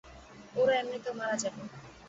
ওরা এমনিতেও মারা যাবে।